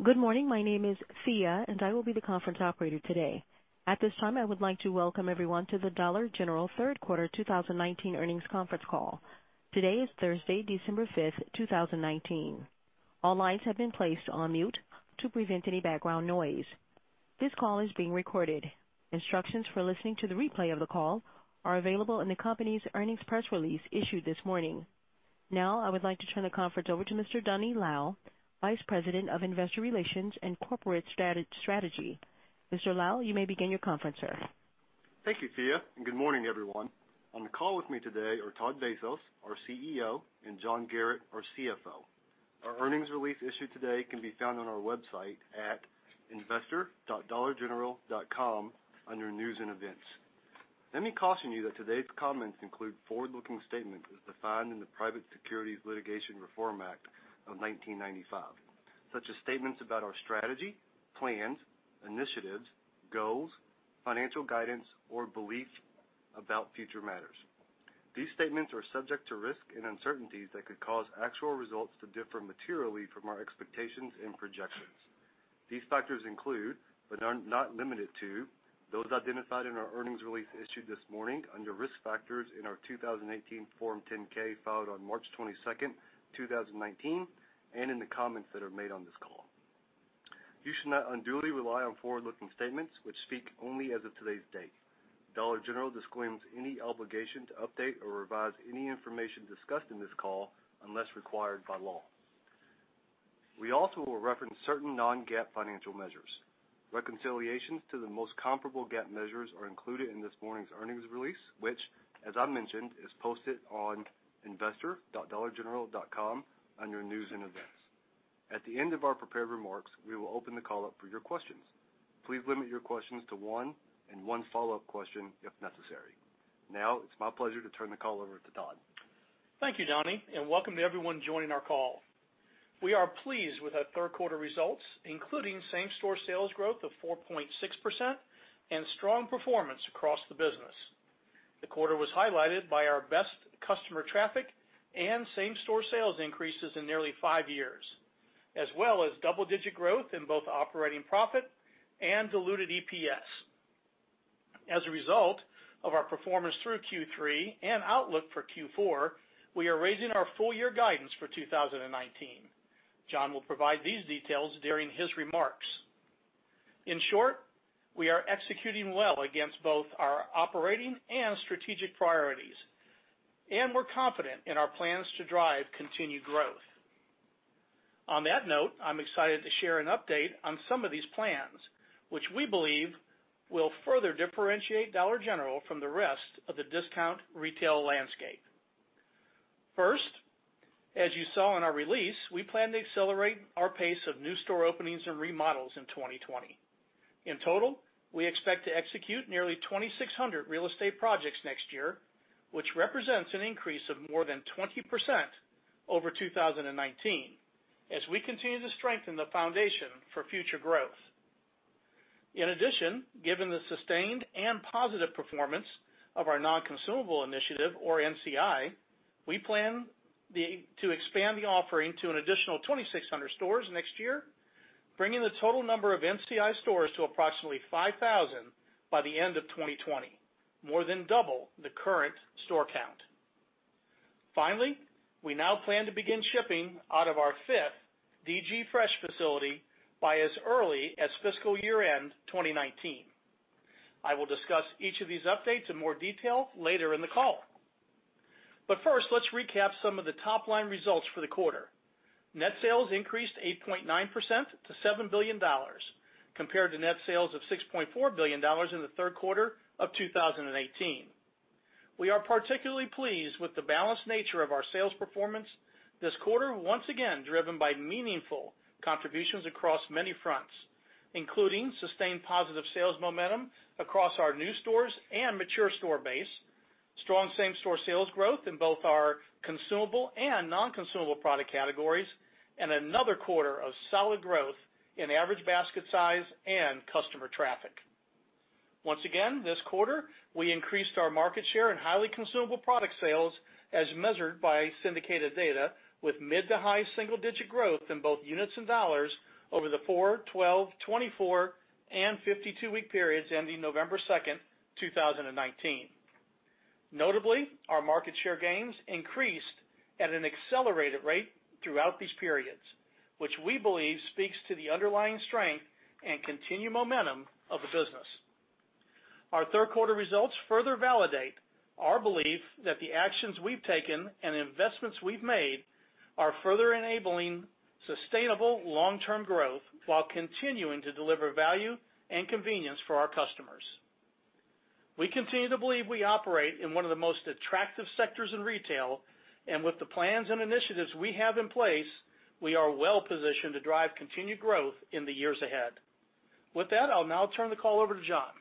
Good morning. My name is Thea, and I will be the conference operator today. At this time, I would like to welcome everyone to the Dollar General Third Quarter 2019 Earnings Conference Call. Today is Thursday, December 5th, 2019. All lines have been placed on mute to prevent any background noise. This call is being recorded. Instructions for listening to the replay of the call are available in the company's earnings press release issued this morning. I would like to turn the conference over to Mr. Donny Lau, Vice President of Investor Relations and Corporate Strategy. Mr. Lau, you may begin your conference, sir. Thank you, Thea, good morning, everyone. On the call with me today are Todd Vasos, our CEO, and John Garratt, our CFO. Our earnings release issued today can be found on our website at investor.dollargeneral.com under News and Events. Let me caution you that today's comments include forward-looking statements as defined in the Private Securities Litigation Reform Act of 1995. Such as statements about our strategy, plans, initiatives, goals, financial guidance, or beliefs about future matters. These statements are subject to risks and uncertainties that could cause actual results to differ materially from our expectations and projections. These factors include, but are not limited to, those identified in our earnings release issued this morning under Risk Factors in our 2018 Form 10-K filed on March 22nd, 2019, and in the comments that are made on this call. You should not unduly rely on forward-looking statements which speak only as of today's date. Dollar General disclaims any obligation to update or revise any information discussed in this call unless required by law. We also will reference certain non-GAAP financial measures. Reconciliations to the most comparable GAAP measures are included in this morning's earnings release, which, as I mentioned, is posted on investor.dollargeneral.com under News and Events. At the end of our prepared remarks, we will open the call up for your questions. Please limit your questions to one and one follow-up question if necessary. Now it's my pleasure to turn the call over to Todd. Thank you, Donny, and welcome to everyone joining our call. We are pleased with our third quarter results, including same-store sales growth of 4.6% and strong performance across the business. The quarter was highlighted by our best customer traffic and same-store sales increases in nearly five years, as well as double-digit growth in both operating profit and diluted EPS. As a result of our performance through Q3 and outlook for Q4, we are raising our full-year guidance for 2019. John will provide these details during his remarks. In short, we are executing well against both our operating and strategic priorities, we're confident in our plans to drive continued growth. On that note, I'm excited to share an update on some of these plans, which we believe will further differentiate Dollar General from the rest of the discount retail landscape. First, as you saw in our release, we plan to accelerate our pace of new store openings and remodels in 2020. In total, we expect to execute nearly 2,600 real estate projects next year, which represents an increase of more than 20% over 2019 as we continue to strengthen the foundation for future growth. In addition, given the sustained and positive performance of our Non-Consumable Initiative or NCI, we plan to expand the offering to an additional 2,600 stores next year, bringing the total number of NCI stores to approximately 5,000 by the end of 2020, more than double the current store count. Finally, we now plan to begin shipping out of our fifth DG Fresh facility by as early as fiscal year-end 2019. I will discuss each of these updates in more detail later in the call. First, let's recap some of the top-line results for the quarter. Net sales increased 8.9% to $7 billion compared to net sales of $6.4 billion in the third quarter of 2018. We are particularly pleased with the balanced nature of our sales performance this quarter, once again driven by meaningful contributions across many fronts, including sustained positive sales momentum across our new stores and mature store base, strong same-store sales growth in both our consumable and non-consumable product categories, and another quarter of solid growth in average basket size and customer traffic. This quarter, we increased our market share in highly consumable product sales as measured by syndicated data with mid to high single-digit growth in both units and dollars over the 4, 12, 24, and 52-week periods ending November 2nd, 2019. Notably, our market share gains increased at an accelerated rate throughout these periods, which we believe speaks to the underlying strength and continued momentum of the business. Our third quarter results further validate our belief that the actions we've taken and investments we've made are further enabling sustainable long-term growth while continuing to deliver value and convenience for our customers. We continue to believe we operate in one of the most attractive sectors in retail, and with the plans and initiatives we have in place, we are well-positioned to drive continued growth in the years ahead. With that, I'll now turn the call over to John.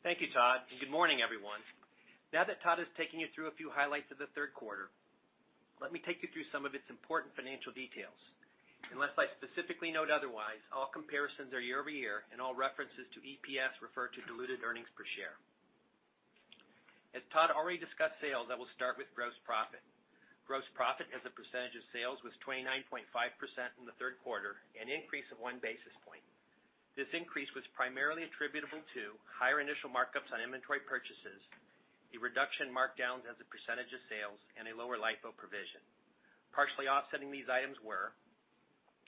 Thank you, Todd. Good morning, everyone. Now that Todd has taken you through a few highlights of the third quarter, let me take you through some of its important financial details. Unless I specifically note otherwise, all comparisons are year-over-year, and all references to EPS refer to diluted earnings per share. As Todd already discussed sales, I will start with gross profit. Gross profit as a percentage of sales was 29.5% in the third quarter, an increase of one basis point. This increase was primarily attributable to higher initial markups on inventory purchases, a reduction in markdowns as a percentage of sales, and a lower LIFO provision. Partially offsetting these items were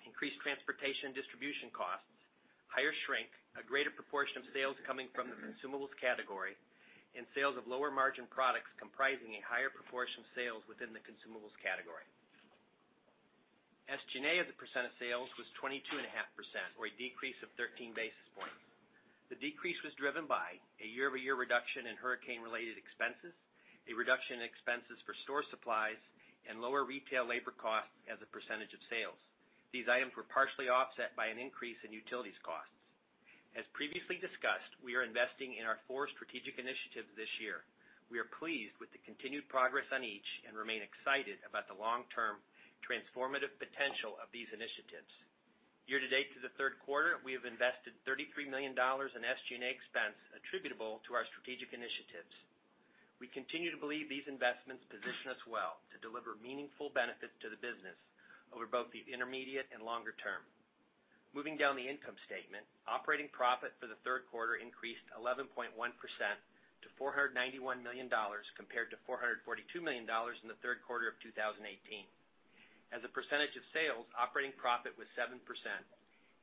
increased transportation distribution costs, higher shrink, a greater proportion of sales coming from the consumables category, and sales of lower margin products comprising a higher proportion of sales within the consumables category. SG&A as a percent of sales was 22.5%, or a decrease of 13 basis points. The decrease was driven by a year-over-year reduction in hurricane-related expenses, a reduction in expenses for store supplies, and lower retail labor costs as a percentage of sales. These items were partially offset by an increase in utilities costs. As previously discussed, we are investing in our four strategic initiatives this year. We are pleased with the continued progress on each and remain excited about the long-term transformative potential of these initiatives. Year to date to the third quarter, we have invested $33 million in SG&A expense attributable to our strategic initiatives. We continue to believe these investments position us well to deliver meaningful benefits to the business over both the intermediate and longer term. Moving down the income statement, operating profit for the third quarter increased 11.1% to $491 million compared to $442 million in the third quarter of 2018. As a percentage of sales, operating profit was 7%,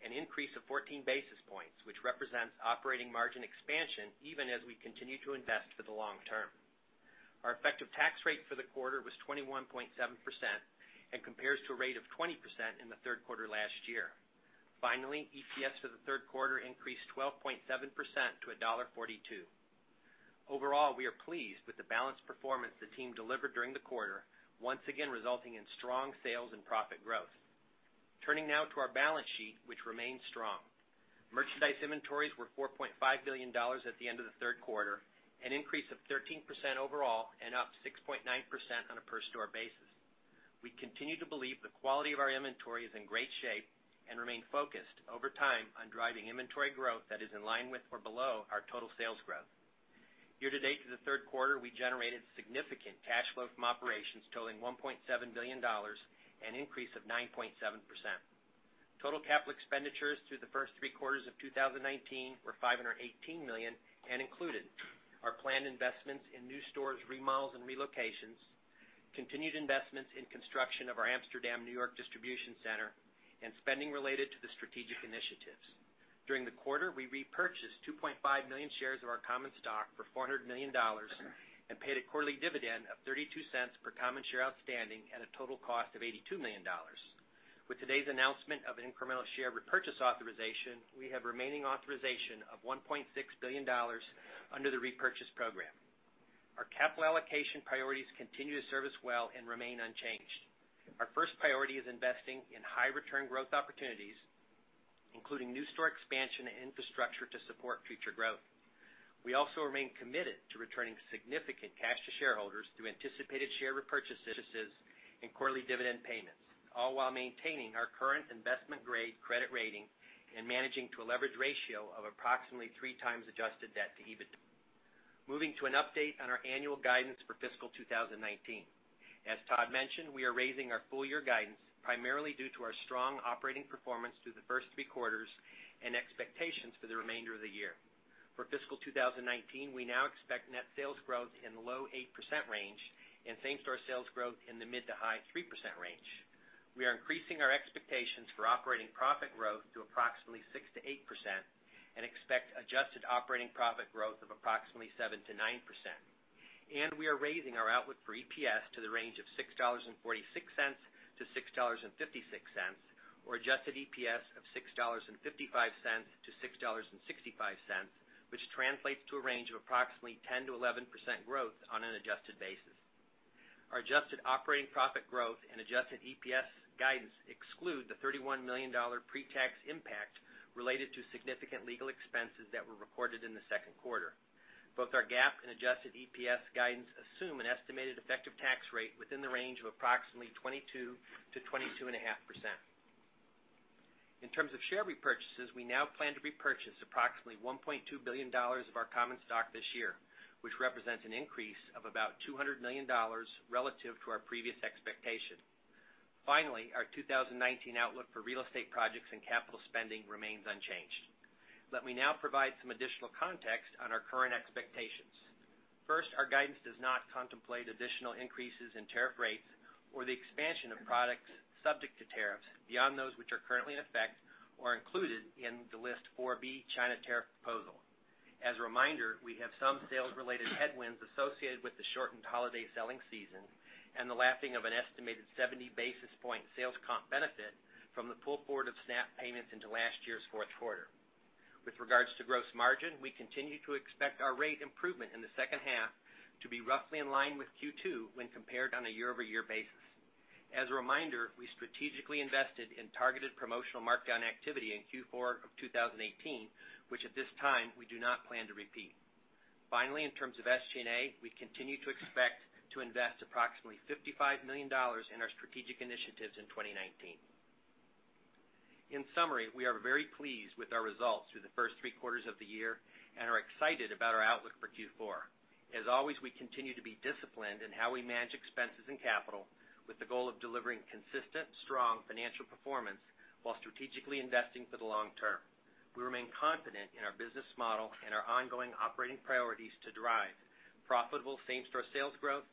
an increase of 14 basis points, which represents operating margin expansion even as we continue to invest for the long term. Our effective tax rate for the quarter was 21.7% and compares to a rate of 20% in the third quarter last year. Finally, EPS for the third quarter increased 12.7% to $1.42. Overall, we are pleased with the balanced performance the team delivered during the quarter, once again resulting in strong sales and profit growth. Turning now to our balance sheet, which remains strong. Merchandise inventories were $4.5 billion at the end of the third quarter, an increase of 13% overall and up 6.9% on a per store basis. We continue to believe the quality of our inventory is in great shape and remain focused over time on driving inventory growth that is in line with or below our total sales growth. Year to date to the third quarter, we generated significant cash flow from operations totaling $1.7 billion, an increase of 9.7%. Total capital expenditures through the first three quarters of 2019 were $518 million and included our planned investments in new stores, remodels, and relocations, continued investments in construction of our Amsterdam, N.Y., distribution center, and spending related to the strategic initiatives. During the quarter, we repurchased 2.5 million shares of our common stock for $400 million and paid a quarterly dividend of $0.32 per common share outstanding at a total cost of $82 million. With today's announcement of an incremental share repurchase authorization, we have remaining authorization of $1.6 billion under the repurchase program. Our capital allocation priorities continue to serve us well and remain unchanged. Our first priority is investing in high return growth opportunities, including new store expansion and infrastructure to support future growth. We also remain committed to returning significant cash to shareholders through anticipated share repurchases and quarterly dividend payments, all while maintaining our current investment-grade credit rating and managing to a leverage ratio of approximately 3x adjusted debt to EBITDA. Moving to an update on our annual guidance for fiscal 2019. As Todd mentioned, we are raising our full year guidance primarily due to our strong operating performance through the first three quarters and expectations for the remainder of the year. For fiscal 2019, we now expect net sales growth in the low 8% range and same-store sales growth in the mid to high 3% range. We are increasing our expectations for operating profit growth to approximately 6%-8% and expect adjusted operating profit growth of approximately 7%-9%. We are raising our outlook for EPS to the range of $6.46-$6.56 or adjusted EPS of $6.55-$6.65, which translates to a range of approximately 10%-11% growth on an adjusted basis. Our adjusted operating profit growth and adjusted EPS guidance exclude the $31 million pre-tax impact related to significant legal expenses that were recorded in the second quarter. Both our GAAP and adjusted EPS guidance assume an estimated effective tax rate within the range of approximately 22%-22.5%. In terms of share repurchases, we now plan to repurchase approximately $1.2 billion of our common stock this year, which represents an increase of about $200 million relative to our previous expectation. Finally, our 2019 outlook for real estate projects and capital spending remains unchanged. Let me now provide some additional context on our current expectations. First, our guidance does not contemplate additional increases in tariff rates or the expansion of products subject to tariffs beyond those which are currently in effect or included in the List 4B China tariff proposal. As a reminder, we have some sales-related headwinds associated with the shortened holiday selling season and the lapping of an estimated 70-basis-point sales comp benefit from the pull forward of SNAP payments into last year's fourth quarter. With regards to gross margin, we continue to expect our rate improvement in the second half to be roughly in line with Q2 when compared on a year-over-year basis. As a reminder, we strategically invested in targeted promotional markdown activity in Q4 of 2018, which at this time we do not plan to repeat. Finally, in terms of SG&A, we continue to expect to invest approximately $55 million in our strategic initiatives in 2019. In summary, we are very pleased with our results through the first three quarters of the year and are excited about our outlook for Q4. As always, we continue to be disciplined in how we manage expenses and capital with the goal of delivering consistent strong financial performance while strategically investing for the long term. We remain confident in our business model and our ongoing operating priorities to drive profitable same-store sales growth,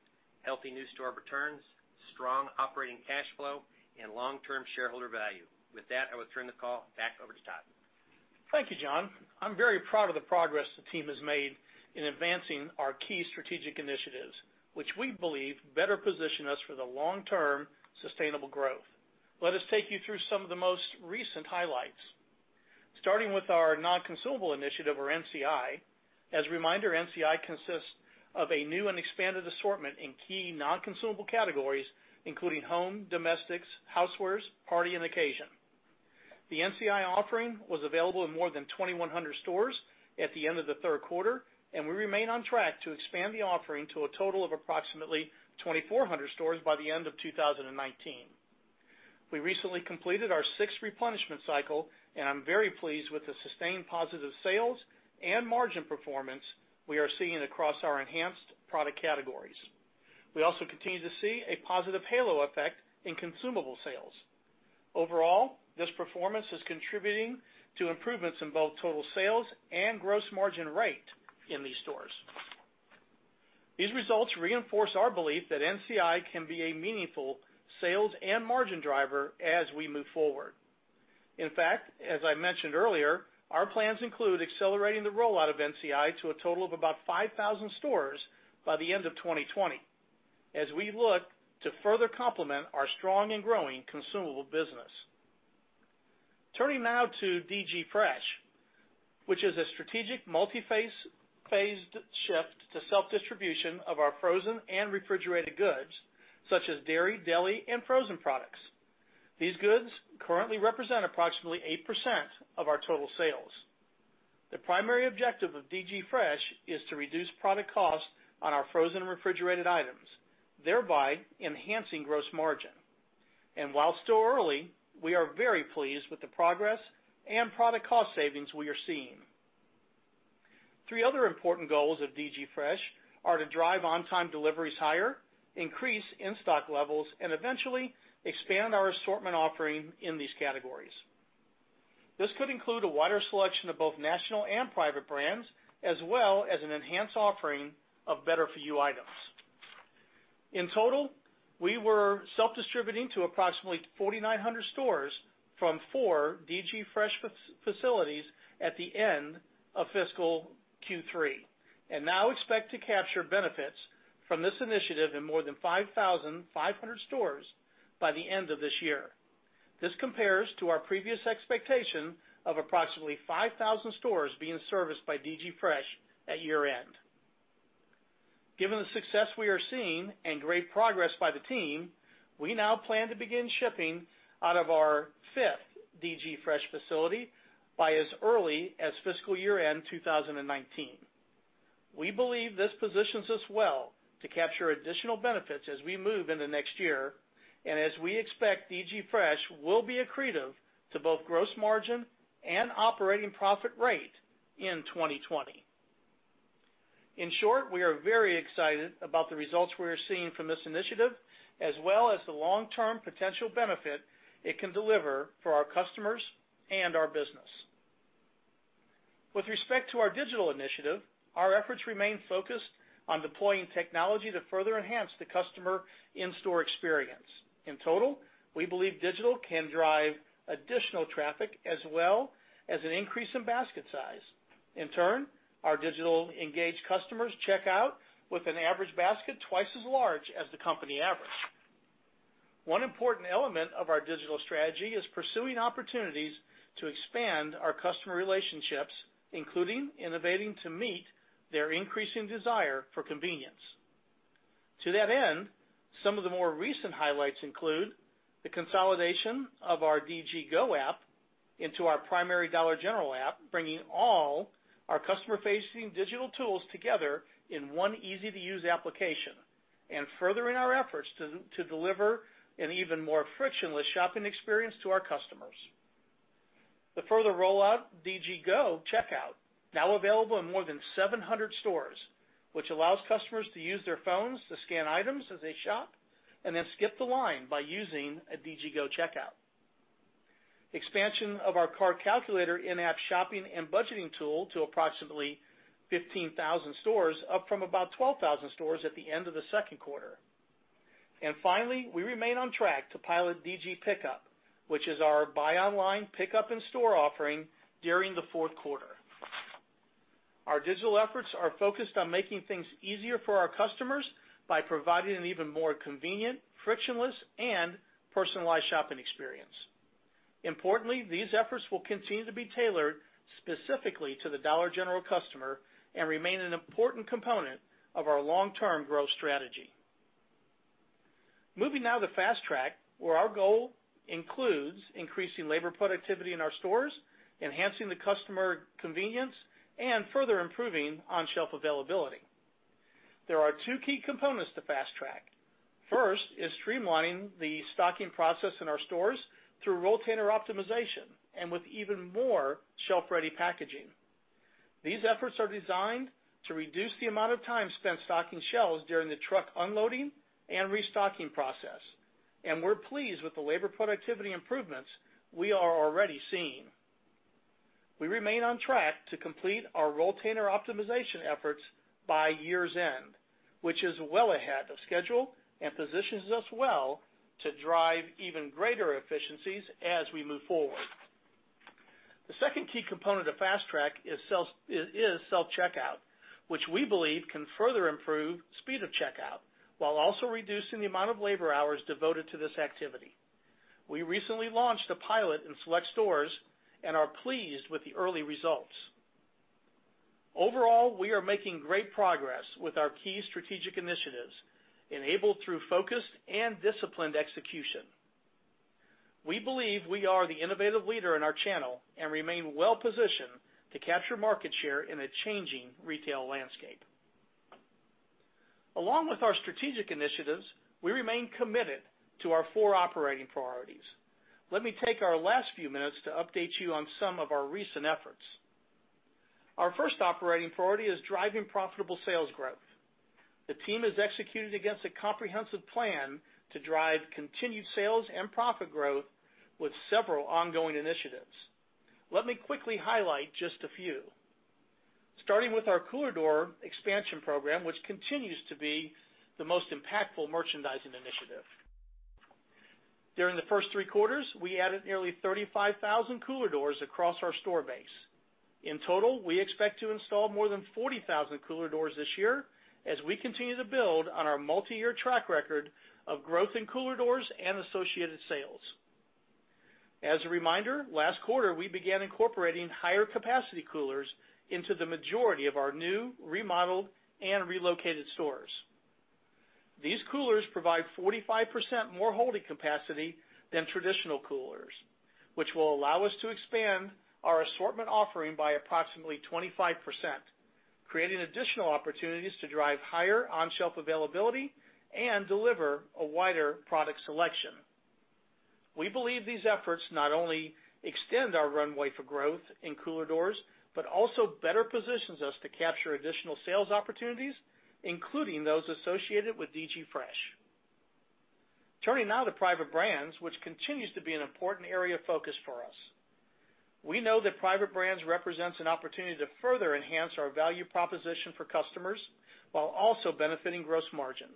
healthy new store returns, strong operating cash flow, and long-term shareholder value. With that, I will turn the call back over to Todd. Thank you, John. I'm very proud of the progress the team has made in advancing our key strategic initiatives, which we believe better position us for the long-term sustainable growth. Let us take you through some of the most recent highlights. Starting with our non-consumable initiative, or NCI. As a reminder, NCI consists of a new and expanded assortment in key non-consumable categories, including home, domestics, housewares, party, and occasion. The NCI offering was available in more than 2,100 stores at the end of the third quarter, and we remain on track to expand the offering to a total of approximately 2,400 stores by the end of 2019. We recently completed our sixth replenishment cycle, and I'm very pleased with the sustained positive sales and margin performance we are seeing across our enhanced product categories. We also continue to see a positive halo effect in consumable sales. Overall, this performance is contributing to improvements in both total sales and gross margin rate in these stores. These results reinforce our belief that NCI can be a meaningful sales and margin driver as we move forward. As I mentioned earlier, our plans include accelerating the rollout of NCI to a total of about 5,000 stores by the end of 2020, as we look to further complement our strong and growing consumable business. Turning now to DG Fresh, which is a strategic multiphased shift to self-distribution of our frozen and refrigerated goods such as dairy, deli, and frozen products. These goods currently represent approximately 8% of our total sales. The primary objective of DG Fresh is to reduce product cost on our frozen and refrigerated items, thereby enhancing gross margin. While still early, we are very pleased with the progress and product cost savings we are seeing. Three other important goals of DG Fresh are to drive on-time deliveries higher, increase in-stock levels, and eventually expand our assortment offering in these categories. This could include a wider selection of both national and private brands, as well as an enhanced offering of Better For You items. In total, we were self-distributing to approximately 4,900 stores from four DG Fresh facilities at the end of fiscal Q3, and now expect to capture benefits from this initiative in more than 5,500 stores by the end of this year. This compares to our previous expectation of approximately 5,000 stores being serviced by DG Fresh at year-end. Given the success we are seeing and great progress by the team, we now plan to begin shipping out of our fifth DG Fresh facility by as early as fiscal year-end 2019. We believe this positions us well to capture additional benefits as we move into next year, and as we expect DG Fresh will be accretive to both gross margin and operating profit rate in 2020. In short, we are very excited about the results we are seeing from this initiative, as well as the long-term potential benefit it can deliver for our customers and our business. With respect to our digital initiative, our efforts remain focused on deploying technology to further enhance the customer in-store experience. In total, we believe digital can drive additional traffic as well as an increase in basket size. In turn, our digital-engaged customers check out with an average basket twice as large as the company average. One important element of our digital strategy is pursuing opportunities to expand our customer relationships, including innovating to meet their increasing desire for convenience. To that end, some of the more recent highlights include the consolidation of our DG GO! app into our primary Dollar General app, bringing all our customer-facing digital tools together in one easy-to-use application, furthering our efforts to deliver an even more frictionless shopping experience to our customers. The further rollout DG GO! checkout, now available in more than 700 stores, which allows customers to use their phones to scan items as they shop, then skip the line by using a DG GO! checkout. Expansion of our Cart Calculator in-app shopping and budgeting tool to approximately 15,000 stores, up from about 12,000 stores at the end of the second quarter. Finally, we remain on track to pilot DG Pickup, which is our buy online, pick up in-store offering during the fourth quarter. Our digital efforts are focused on making things easier for our customers by providing an even more convenient, frictionless, and personalized shopping experience. Importantly, these efforts will continue to be tailored specifically to the Dollar General customer and remain an important component of our long-term growth strategy. Moving now to Fast Track, where our goal includes increasing labor productivity in our stores, enhancing the customer convenience, and further improving on-shelf availability. There are two key components to Fast Track. First is streamlining the stocking process in our stores through rolltainer optimization and with even more shelf-ready packaging. These efforts are designed to reduce the amount of time spent stocking shelves during the truck unloading and restocking process. We're pleased with the labor productivity improvements we are already seeing. We remain on track to complete our Rotator Optimization efforts by year's end, which is well ahead of schedule and positions us well to drive even greater efficiencies as we move forward. The second key component of Fast Track is self-checkout, which we believe can further improve speed of checkout while also reducing the amount of labor hours devoted to this activity. We recently launched a pilot in select stores and are pleased with the early results. Overall, we are making great progress with our key strategic initiatives, enabled through focused and disciplined execution. We believe we are the innovative leader in our channel and remain well-positioned to capture market share in a changing retail landscape. Along with our strategic initiatives, we remain committed to our four operating priorities. Let me take our last few minutes to update you on some of our recent efforts. Our first operating priority is driving profitable sales growth. The team has executed against a comprehensive plan to drive continued sales and profit growth with several ongoing initiatives. Let me quickly highlight just a few. Starting with our cooler door expansion program, which continues to be the most impactful merchandising initiative. During the first three quarters, we added nearly 35,000 cooler doors across our store base. In total, we expect to install more than 40,000 cooler doors this year as we continue to build on our multi-year track record of growth in cooler doors and associated sales. As a reminder, last quarter we began incorporating higher-capacity coolers into the majority of our new, remodeled, and relocated stores. These coolers provide 45% more holding capacity than traditional coolers, which will allow us to expand our assortment offering by approximately 25%, creating additional opportunities to drive higher on-shelf availability and deliver a wider product selection. We believe these efforts not only extend our runway for growth in cooler doors, but also better positions us to capture additional sales opportunities, including those associated with DG Fresh. Turning now to private brands, which continues to be an important area of focus for us. We know that private brands represents an opportunity to further enhance our value proposition for customers while also benefiting gross margin.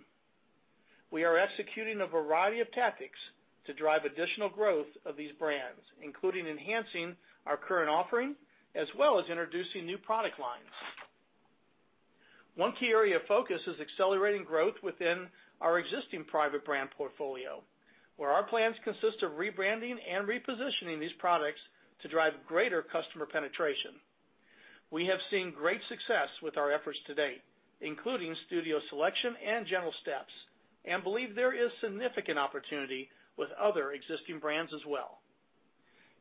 We are executing a variety of tactics to drive additional growth of these brands, including enhancing our current offering as well as introducing new product lines. One key area of focus is accelerating growth within our existing private brand portfolio, where our plans consist of rebranding and repositioning these products to drive greater customer penetration. We have seen great success with our efforts to date, including Studio Selection and Gentle Steps, and believe there is significant opportunity with other existing brands as well.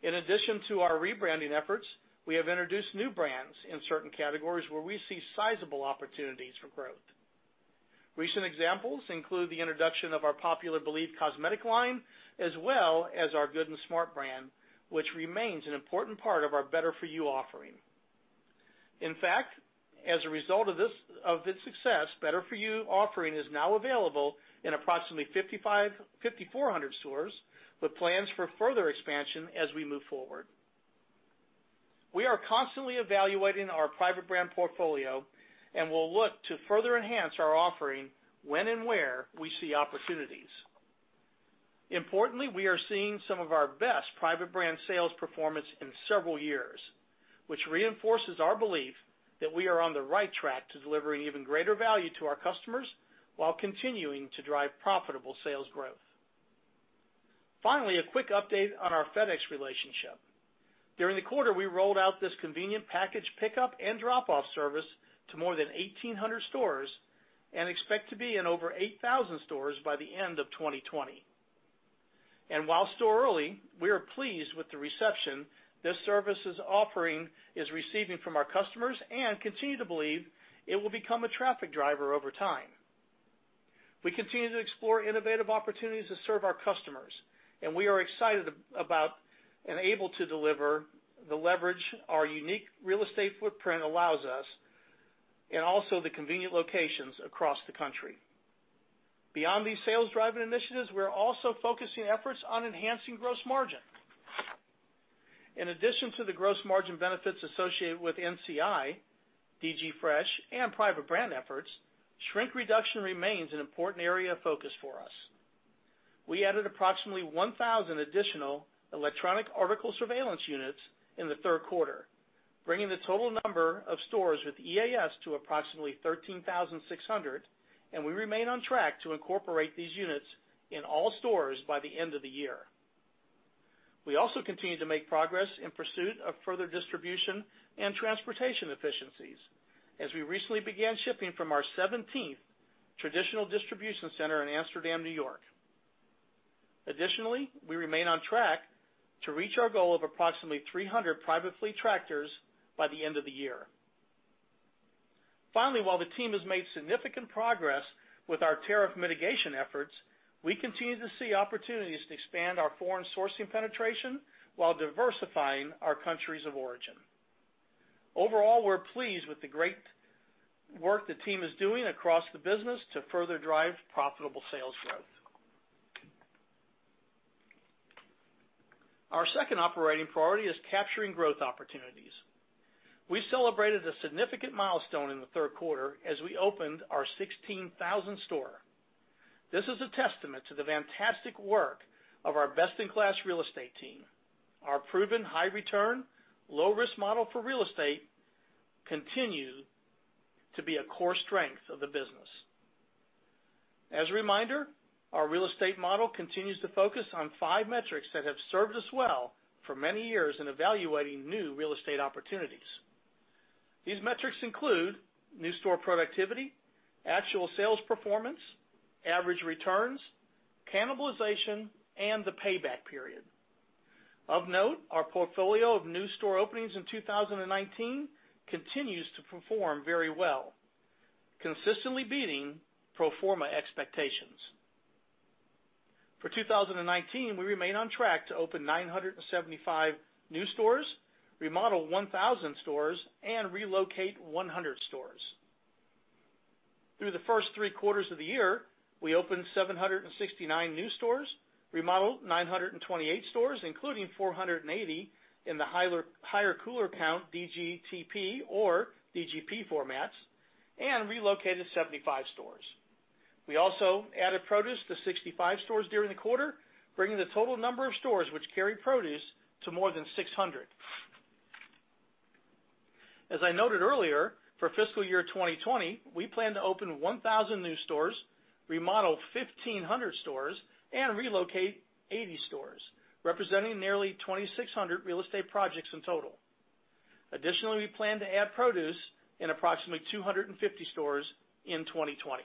In addition to our rebranding efforts, we have introduced new brands in certain categories where we see sizable opportunities for growth. Recent examples include the introduction of our popular Believe cosmetic line as well as our Good & Smart brand, which remains an important part of our Better For You offering. In fact, as a result of its success, Better For You offering is now available in approximately 5,400 stores, with plans for further expansion as we move forward. We are constantly evaluating our private brand portfolio and will look to further enhance our offering when and where we see opportunities. Importantly, we are seeing some of our best private brand sales performance in several years, which reinforces our belief that we are on the right track to delivering even greater value to our customers while continuing to drive profitable sales growth. Finally, a quick update on our FedEx relationship. During the quarter, we rolled out this convenient package pickup and drop-off service to more than 1,800 stores and expect to be in over 8,000 stores by the end of 2020. While still early, we are pleased with the reception this service is receiving from our customers and continue to believe it will become a traffic driver over time. We continue to explore innovative opportunities to serve our customers. We are excited about and able to deliver the leverage our unique real estate footprint allows us, and also the convenient locations across the country. Beyond these sales-driving initiatives, we're also focusing efforts on enhancing gross margin. In addition to the gross margin benefits associated with NCI, DG Fresh, and private brand efforts, shrink reduction remains an important area of focus for us. We added approximately 1,000 additional electronic article surveillance units in the third quarter, bringing the total number of stores with EAS to approximately 13,600. We remain on track to incorporate these units in all stores by the end of the year. We also continue to make progress in pursuit of further distribution and transportation efficiencies, as we recently began shipping from our 17th traditional distribution center in Amsterdam, N.Y. We remain on track to reach our goal of approximately 300 private fleet tractors by the end of the year. While the team has made significant progress with our tariff mitigation efforts, we continue to see opportunities to expand our foreign sourcing penetration while diversifying our countries of origin. We're pleased with the great work the team is doing across the business to further drive profitable sales growth. Our second operating priority is capturing growth opportunities. We celebrated a significant milestone in the third quarter as we opened our 16,000th store. This is a testament to the fantastic work of our best-in-class real estate team. Our proven high return, low risk model for real estate continue to be a core strength of the business. As a reminder, our real estate model continues to focus on five metrics that have served us well for many years in evaluating new real estate opportunities. These metrics include new store productivity, actual sales performance, average returns, cannibalization, and the payback period. Of note, our portfolio of new store openings in 2019 continues to perform very well, consistently beating pro forma expectations. For 2019, we remain on track to open 975 new stores, remodel 1,000 stores, and relocate 100 stores. Through the first three quarters of the year, we opened 769 new stores, remodeled 928 stores, including 480 in the higher cooler count DGTP or DGP formats, and relocated 75 stores. We also added produce to 65 stores during the quarter, bringing the total number of stores which carry produce to more than 600. As I noted earlier, for fiscal year 2020, we plan to open 1,000 new stores, remodel 1,500 stores, and relocate 80 stores, representing nearly 2,600 real estate projects in total. Additionally, we plan to add produce in approximately 250 stores in 2020.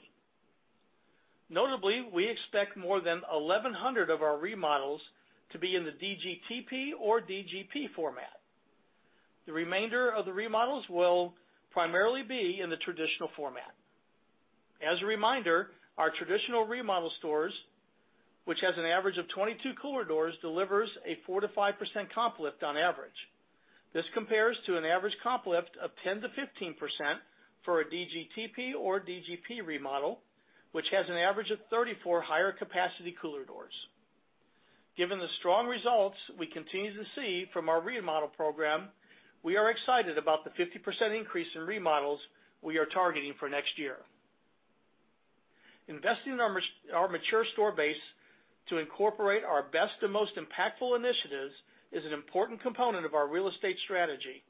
Notably, we expect more than 1,100 of our remodels to be in the DGTP or DGP format. The remainder of the remodels will primarily be in the traditional format. As a reminder, our traditional remodel stores, which has an average of 22 cooler doors, delivers a 4%-5% comp lift on average. This compares to an average comp lift of 10%-15% for a DGTP or DGP remodel, which has an average of 34 higher capacity cooler doors. Given the strong results we continue to see from our remodel program, we are excited about the 50% increase in remodels we are targeting for next year. Investing in our mature store base to incorporate our best and most impactful initiatives is an important component of our real estate strategy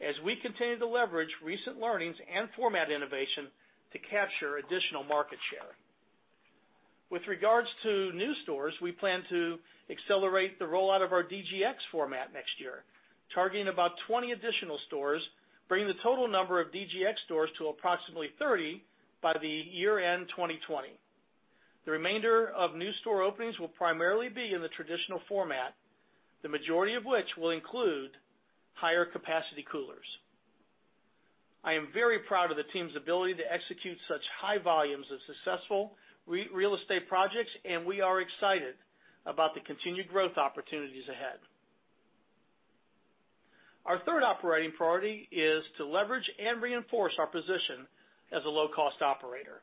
as we continue to leverage recent learnings and format innovation to capture additional market share. With regards to new stores, we plan to accelerate the rollout of our DGX format next year, targeting about 20 additional stores, bringing the total number of DGX stores to approximately 30 by the year-end 2020. The remainder of new store openings will primarily be in the traditional format, the majority of which will include higher capacity coolers. I am very proud of the team's ability to execute such high volumes of successful real estate projects, and we are excited about the continued growth opportunities ahead. Our third operating priority is to leverage and reinforce our position as a low-cost operator.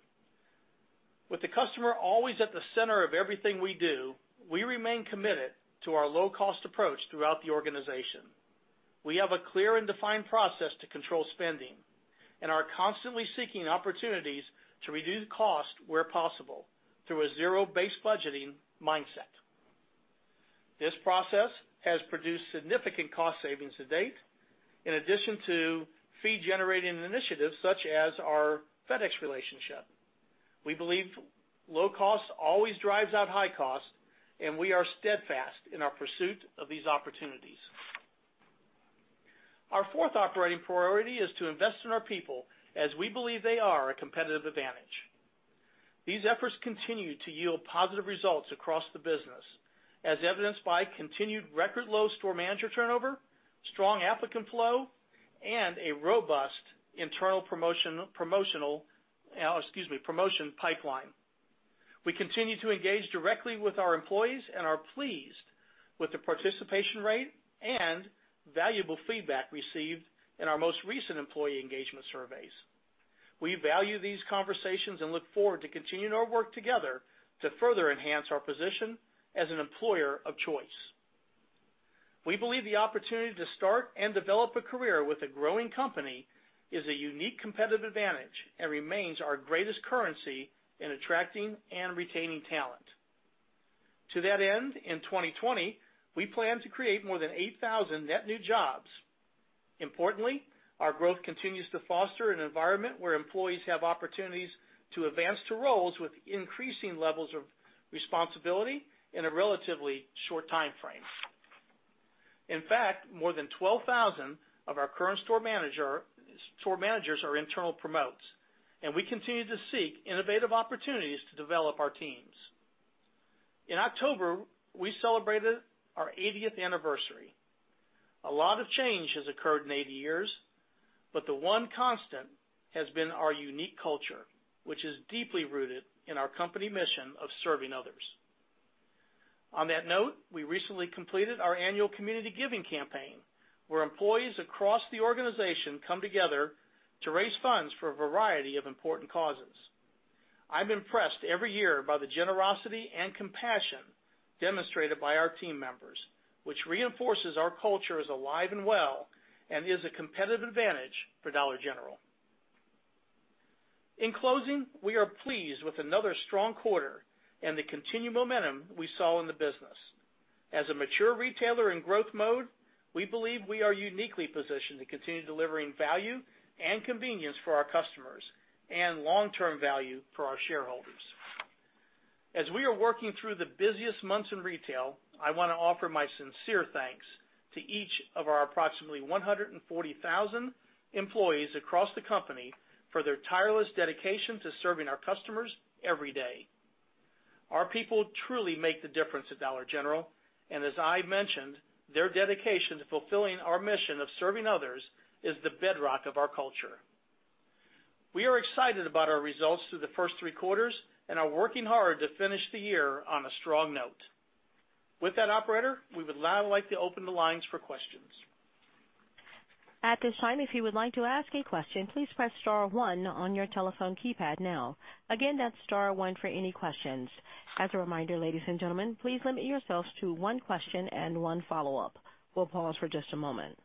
With the customer always at the center of everything we do, we remain committed to our low-cost approach throughout the organization. We have a clear and defined process to control spending and are constantly seeking opportunities to reduce cost where possible through a zero-based budgeting mindset. This process has produced significant cost savings to date, in addition to fee-generating initiatives such as our FedEx relationship. We believe low cost always drives out high cost, and we are steadfast in our pursuit of these opportunities. Our fourth operating priority is to invest in our people, as we believe they are a competitive advantage. These efforts continue to yield positive results across the business, as evidenced by continued record low store manager turnover, strong applicant flow, and a robust internal promotion pipeline. We continue to engage directly with our employees and are pleased with the participation rate and valuable feedback received in our most recent employee engagement surveys. We value these conversations and look forward to continuing our work together to further enhance our position as an employer of choice. We believe the opportunity to start and develop a career with a growing company is a unique competitive advantage and remains our greatest currency in attracting and retaining talent. To that end, in 2020, we plan to create more than 8,000 net new jobs. Importantly, our growth continues to foster an environment where employees have opportunities to advance to roles with increasing levels of responsibility in a relatively short timeframe. In fact, more than 12,000 of our current store managers are internal promotes, and we continue to seek innovative opportunities to develop our teams. In October, we celebrated our 80th anniversary. A lot of change has occurred in 80 years, but the one constant has been our unique culture, which is deeply rooted in our company mission of serving others. On that note, we recently completed our annual community giving campaign, where employees across the organization come together to raise funds for a variety of important causes. I'm impressed every year by the generosity and compassion demonstrated by our team members, which reinforces our culture is alive and well and is a competitive advantage for Dollar General. In closing, we are pleased with another strong quarter and the continued momentum we saw in the business. As a mature retailer in growth mode, we believe we are uniquely positioned to continue delivering value and convenience for our customers and long-term value for our shareholders. As we are working through the busiest months in retail, I want to offer my sincere thanks to each of our approximately 140,000 employees across the company for their tireless dedication to serving our customers every day. Our people truly make the difference at Dollar General, and as I mentioned, their dedication to fulfilling our mission of serving others is the bedrock of our culture. We are excited about our results through the first three quarters and are working hard to finish the year on a strong note. With that, operator, we would now like to open the lines for questions. At this time, if you would like to ask a question, please press star one on your telephone keypad now. Again, that's star one for any questions. As a reminder, ladies and gentlemen, please limit yourselves to one question and one follow-up. We'll pause for just a moment.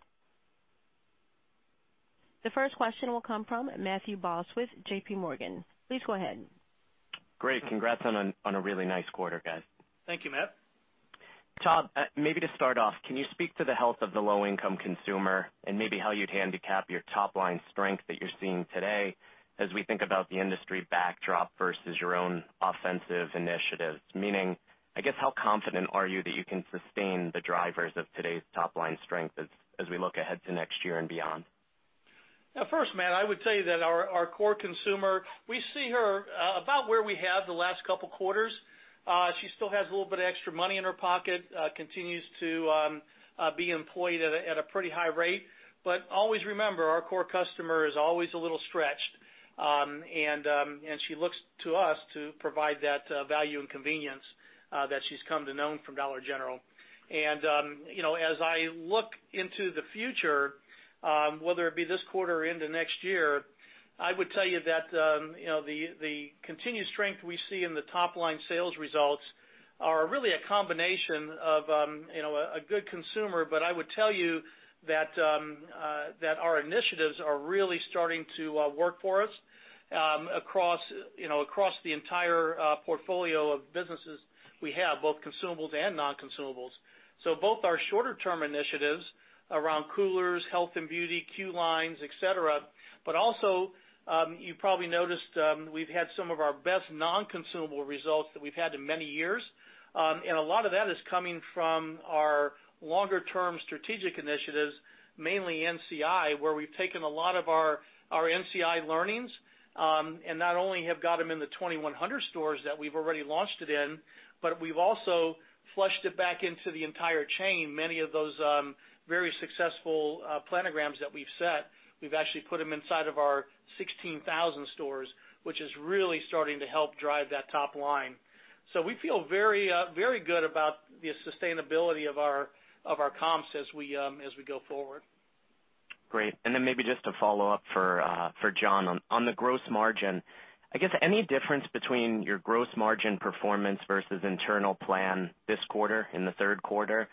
The first question will come from Matthew Boss with JPMorgan. Please go ahead. Great. Congrats on a really nice quarter, guys. Thank you, Matt. Todd, maybe to start off, can you speak to the health of the low-income consumer and maybe how you'd handicap your top-line strength that you're seeing today as we think about the industry backdrop versus your own offensive initiatives? Meaning, I guess, how confident are you that you can sustain the drivers of today's top-line strength as we look ahead to next year and beyond? First, Matt, I would say that our core consumer, we see her about where we have the last couple of quarters. She still has a little bit of extra money in her pocket, continues to be employed at a pretty high rate. Always remember, our core customer is always a little stretched, and she looks to us to provide that value and convenience that she's come to know from Dollar General. As I look into the future, whether it be this quarter or into next year, I would tell you that the continued strength we see in the top-line sales results are really a combination of a good consumer, but I would tell you that our initiatives are really starting to work for us across the entire portfolio of businesses we have, both consumables and non-consumables. Both our shorter-term initiatives around coolers, health and beauty, queue lines, et cetera, but also, you probably noticed we've had some of our best non-consumable results that we've had in many years. A lot of that is coming from our longer-term strategic initiatives, mainly NCI, where we've taken a lot of our NCI learnings and not only have got them in the 2,100 stores that we've already launched it in, but we've also flushed it back into the entire chain. Many of those very successful planograms that we've set, we've actually put them inside of our 16,000 stores, which is really starting to help drive that top line. We feel very good about the sustainability of our comps as we go forward. Great. Then maybe just a follow-up for John on the gross margin. I guess any difference between your gross margin performance versus internal plan this quarter, in the third quarter?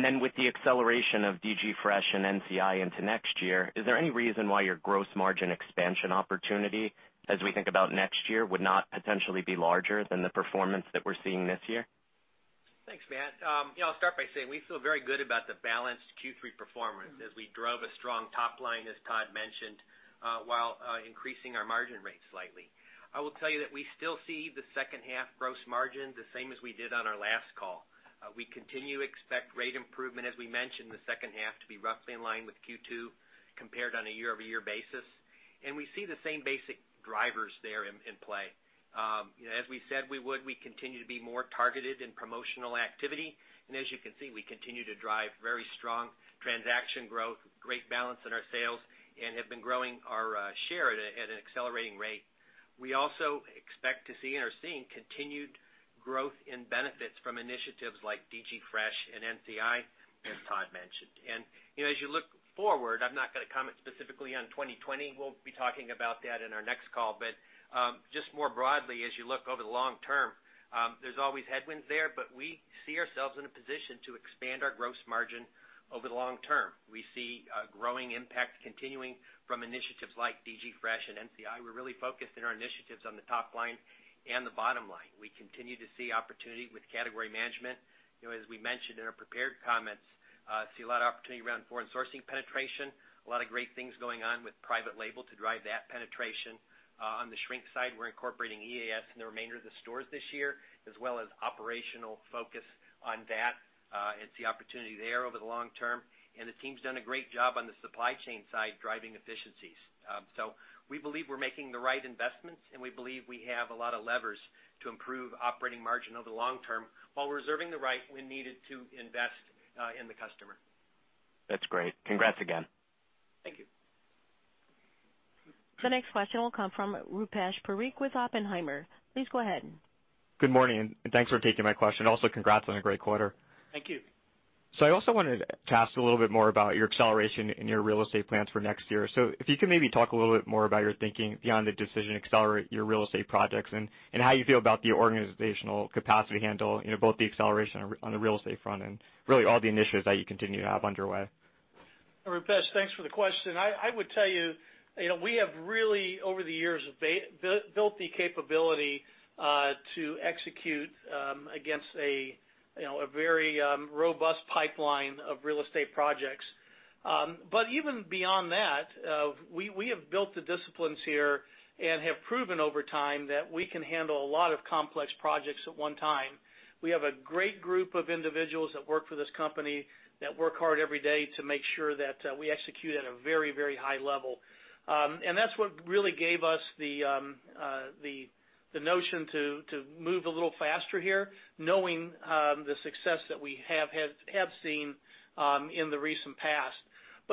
Then with the acceleration of DG Fresh and NCI into next year, is there any reason why your gross margin expansion opportunity, as we think about next year, would not potentially be larger than the performance that we're seeing this year? Thanks, Matthew. I'll start by saying we feel very good about the balanced Q3 performance as we drove a strong top line, as Todd mentioned, while increasing our margin rates slightly. I will tell you that we still see the second half gross margin the same as we did on our last call. We continue to expect great improvement, as we mentioned, the second half to be roughly in line with Q2 compared on a year-over-year basis. We see the same basic drivers there in play. As we said we would, we continue to be more targeted in promotional activity. As you can see, we continue to drive very strong transaction growth, great balance in our sales, and have been growing our share at an accelerating rate. We also expect to see and are seeing continued growth in benefits from initiatives like DG Fresh and NCI, as Todd mentioned. As you look forward, I'm not going to comment specifically on 2020. We'll be talking about that in our next call. Just more broadly, as you look over the long term, there's always headwinds there, but we see ourselves in a position to expand our gross margin over the long term. We see a growing impact continuing from initiatives like DG Fresh and NCI. We're really focused in our initiatives on the top line and the bottom line. We continue to see opportunity with category management. As we mentioned in our prepared comments, see a lot of opportunity around foreign sourcing penetration, a lot of great things going on with private label to drive that penetration. On the shrink side, we're incorporating EAS in the remainder of the stores this year, as well as operational focus on that. It's the opportunity there over the long term, and the team's done a great job on the supply chain side, driving efficiencies. We believe we're making the right investments, and we believe we have a lot of levers to improve operating margin over the long term while reserving the right when needed to invest in the customer. That's great. Congrats again. Thank you. The next question will come from Rupesh Parikh with Oppenheimer. Please go ahead. Good morning, and thanks for taking my question. Also, congrats on a great quarter. Thank you. I also wanted to ask a little bit more about your acceleration in your real estate plans for next year. If you could maybe talk a little bit more about your thinking beyond the decision to accelerate your real estate projects and how you feel about the organizational capacity handle, both the acceleration on the real estate front and really all the initiatives that you continue to have underway. Rupesh, thanks for the question. I would tell you, we have really, over the years, built the capability to execute against a very robust pipeline of real estate projects. Even beyond that, we have built the disciplines here and have proven over time that we can handle a lot of complex projects at one time. We have a great group of individuals that work for this company that work hard every day to make sure that we execute at a very high level. That's what really gave us the notion to move a little faster here, knowing the success that we have seen in the recent past.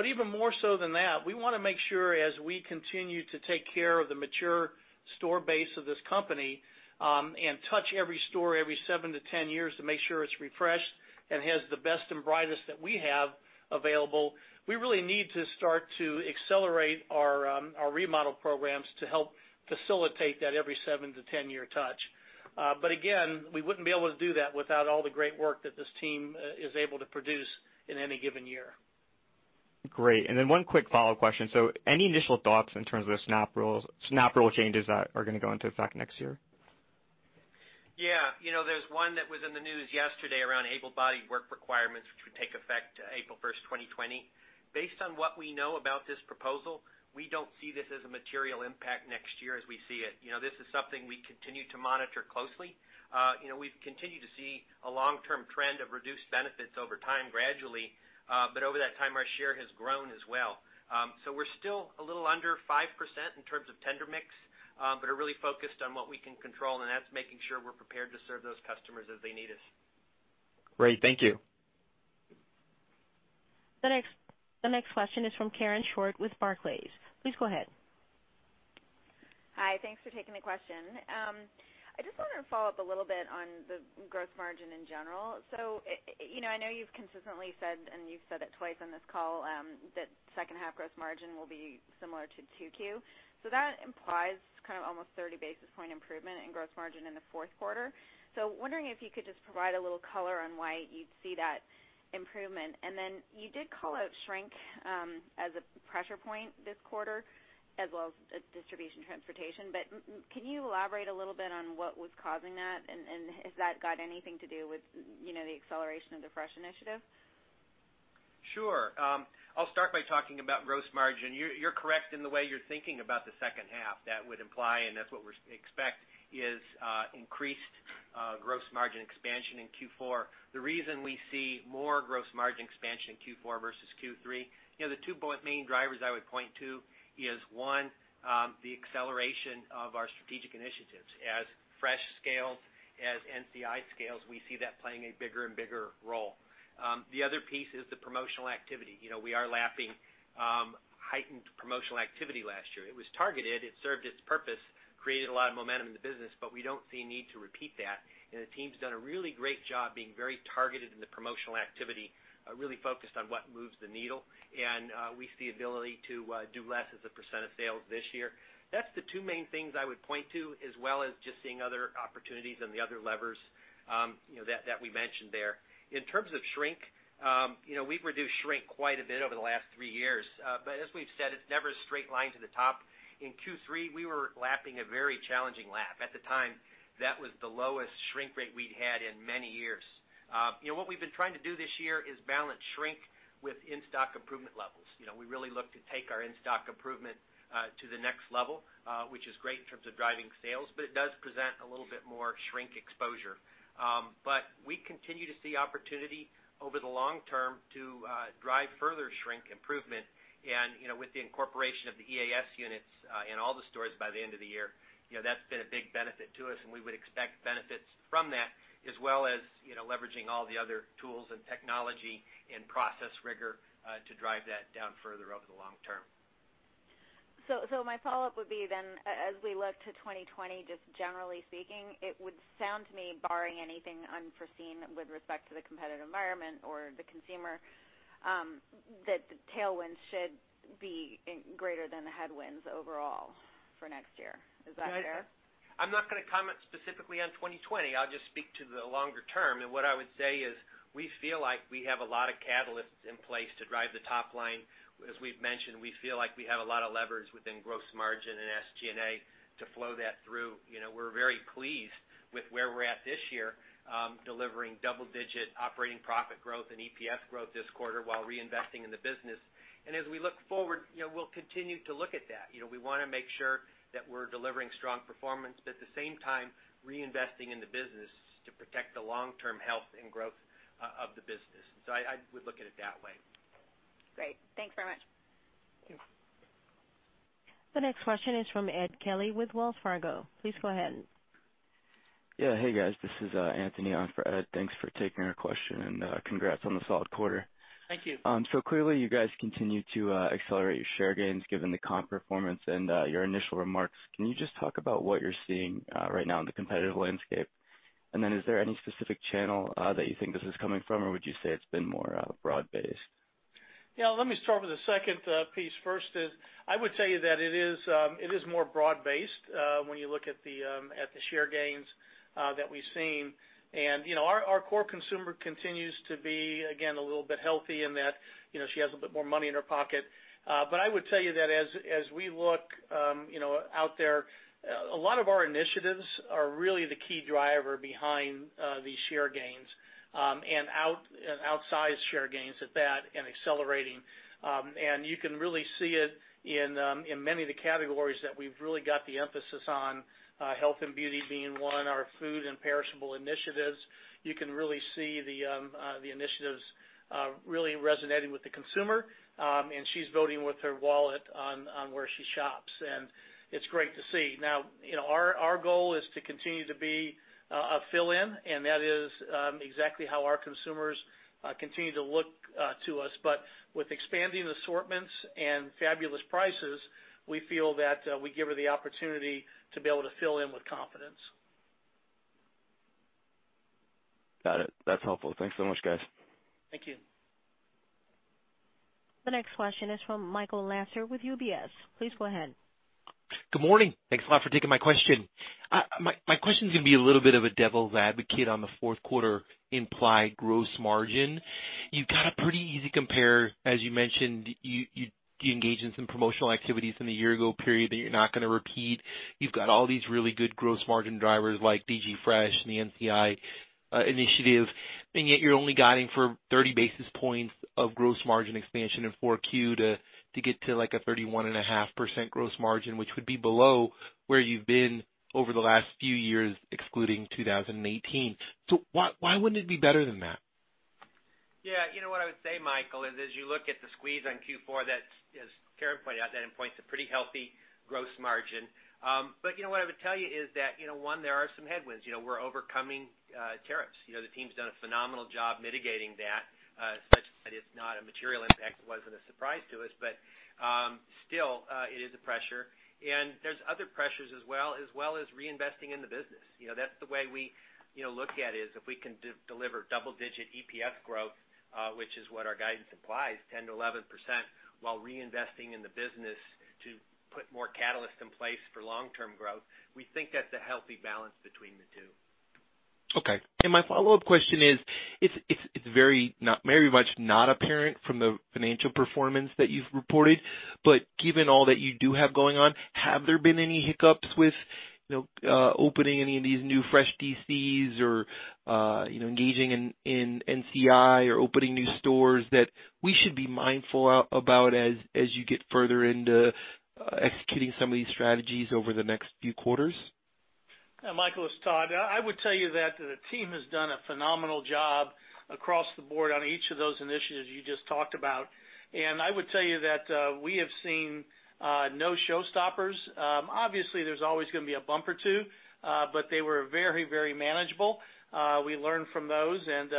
Even more so than that, we want to make sure as we continue to take care of the mature store base of this company and touch every store every 7-10 years to make sure it's refreshed and has the best and brightest that we have available, we really need to start to accelerate our remodel programs to help facilitate that every 7-10 year touch. Again, we wouldn't be able to do that without all the great work that this team is able to produce in any given year. Great. One quick follow-up question. Any initial thoughts in terms of the SNAP rule changes that are going to go into effect next year? Yeah. There's one that was in the news yesterday around able-bodied work requirements, which would take effect April 1st, 2020. Based on what we know about this proposal, we don't see this as a material impact next year as we see it. This is something we continue to monitor closely. We've continued to see a long-term trend of reduced benefits over time gradually. Over that time, our share has grown as well. We're still a little under 5% in terms of tender mix, but are really focused on what we can control, and that's making sure we're prepared to serve those customers as they need us. Great. Thank you. The next question is from Karen Short with Barclays. Please go ahead. Hi. Thanks for taking the question. I just wanted to follow up a little bit on the gross margin in general. I know you've consistently said, and you've said it twice on this call, that second half gross margin will be similar to 2Q. That implies kind of almost 30 basis point improvement in gross margin in the fourth quarter. Wondering if you could just provide a little color on why you'd see that improvement. Then you did call out shrink as a pressure point this quarter, as well as distribution transportation. Can you elaborate a little bit on what was causing that? Has that got anything to do with the acceleration of the Fresh initiative? Sure. I'll start by talking about gross margin. You're correct in the way you're thinking about the second half. That would imply, and that's what we expect, is increased gross margin expansion in Q4. The reason we see more gross margin expansion in Q4 versus Q3, the two main drivers I would point to is one, the acceleration of our strategic initiatives. As DG Fresh scales, as NCI scales, we see that playing a bigger and bigger role. The other piece is the promotional activity. We are lapping heightened promotional activity last year. It was targeted. It served its purpose, created a lot of momentum in the business. We don't see a need to repeat that. The team's done a really great job being very targeted in the promotional activity, really focused on what moves the needle. We see ability to do less as a percent of sales this year. That's the two main things I would point to, as well as just seeing other opportunities and the other levers that we mentioned there. In terms of shrink, we've reduced shrink quite a bit over the last three years. As we've said, it's never a straight line to the top. In Q3, we were lapping a very challenging lap. At the time, that was the lowest shrink rate we'd had in many years. What we've been trying to do this year is balance shrink with in-stock improvement levels. We really look to take our in-stock improvement to the next level, which is great in terms of driving sales, but it does present a little bit more shrink exposure. We continue to see opportunity over the long term to drive further shrink improvement and, with the incorporation of the EAS units in all the stores by the end of the year, that's been a big benefit to us, and we would expect benefits from that, as well as leveraging all the other tools and technology and process rigor to drive that down further over the long term. My follow-up would be, as we look to 2020, just generally speaking, it would sound to me, barring anything unforeseen with respect to the competitive environment or the consumer, that the tailwinds should be greater than the headwinds overall for next year. Is that fair? I'm not going to comment specifically on 2020. I'll just speak to the longer term. What I would say is we feel like we have a lot of catalysts in place to drive the top line. As we've mentioned, we feel like we have a lot of levers within gross margin and SG&A to flow that through. We're very pleased with where we're at this year, delivering double-digit operating profit growth and EPS growth this quarter while reinvesting in the business. As we look forward, we'll continue to look at that. We want to make sure that we're delivering strong performance, at the same time, reinvesting in the business to protect the long-term health and growth of the business. I would look at it that way. Great. Thanks very much. Thanks. The next question is from Ed Kelly with Wells Fargo. Please go ahead. Yeah. Hey, guys. This is Anthony on for Ed. Thanks for taking our question, and congrats on the solid quarter. Thank you. Clearly you guys continue to accelerate your share gains given the comp performance and your initial remarks. Can you just talk about what you're seeing right now in the competitive landscape? Is there any specific channel that you think this is coming from, or would you say it's been more broad-based? Yeah, let me start with the second piece first is, I would say that it is more broad-based when you look at the share gains that we've seen. Our core consumer continues to be, again, a little bit healthy in that she has a bit more money in her pocket. I would tell you that as we look out there, a lot of our initiatives are really the key driver behind these share gains, and outsized share gains at that, and accelerating. You can really see it in many of the categories that we've really got the emphasis on, health and beauty being one, our food and perishable initiatives. You can really see the initiatives really resonating with the consumer, and she's voting with her wallet on where she shops. It's great to see. Our goal is to continue to be a fill-in, and that is exactly how our consumers continue to look to us. With expanding assortments and fabulous prices, we feel that we give her the opportunity to be able to fill in with confidence. Got it. That's helpful. Thanks so much, guys. Thank you. The next question is from Michael Lasser with UBS. Please go ahead. Good morning. Thanks a lot for taking my question. My question's going to be a little bit of a devil's advocate on the fourth quarter implied gross margin. You got a pretty easy compare, as you mentioned, you engaged in some promotional activities in the year-ago period that you're not going to repeat. You've got all these really good gross margin drivers like DG Fresh and the NCI initiative. Yet you're only guiding for 30 basis points of gross margin expansion in 4Q to get to a 31.5% gross margin, which would be below where you've been over the last few years, excluding 2018. Why wouldn't it be better than that? Yeah. What I would say, Michael, is as you look at the squeeze on Q4, as Karen pointed out, that endpoints a pretty healthy gross margin. What I would tell you is that, one, there are some headwinds. We're overcoming tariffs. The team's done a phenomenal job mitigating that such that it's not a material impact. It wasn't a surprise to us, but still, it is a pressure. There's other pressures as well, as well as reinvesting in the business. That's the way we look at is if we can deliver double-digit EPS growth, which is what our guidance implies, 10%-11%, while reinvesting in the business to put more catalysts in place for long-term growth, we think that's a healthy balance between the two. Okay. My follow-up question is, it's very much not apparent from the financial performance that you've reported, but given all that you do have going on, have there been any hiccups with opening any of these new fresh DCs or engaging in NCI or opening new stores that we should be mindful about as you get further into executing some of these strategies over the next few quarters? Michael, it's Todd. I would tell you that the team has done a phenomenal job across the board on each of those initiatives you just talked about. I would tell you that we have seen no showstoppers. Obviously, there's always going to be a bump or two, but they were very manageable. We learned from those and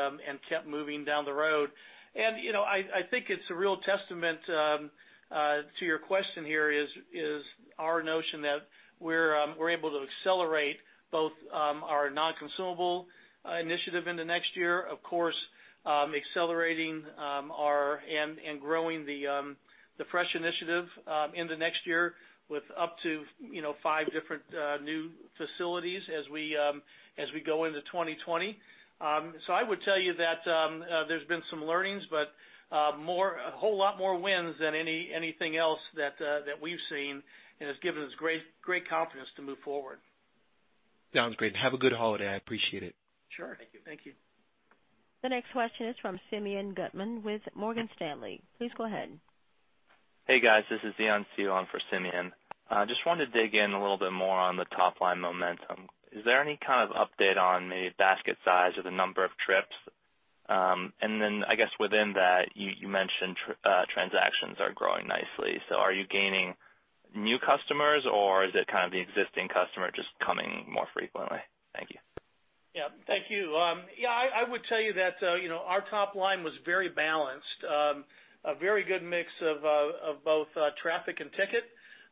kept moving down the road. I think it's a real testament to your question here is our notion that we're able to accelerate both our non-consumable initiative in the next year, of course, accelerating and growing the Fresh Initiative in the next year with up to five different new facilities as we go into 2020. I would tell you that there's been some learnings, but a whole lot more wins than anything else that we've seen, and it's given us great confidence to move forward. Sounds great. Have a good holiday. I appreciate it. Sure. Thank you. Thank you. The next question is from Simeon Gutman with Morgan Stanley. Please go ahead. Hey, guys. This is Dion Hu on for Simeon. Wanted to dig in a little bit more on the top-line momentum. Is there any kind of update on maybe basket size or the number of trips? I guess within that, you mentioned transactions are growing nicely. Are you gaining new customers or is it kind of the existing customer just coming more frequently? Thank you. Yeah. Thank you. I would tell you that our top line was very balanced. A very good mix of both traffic and ticket.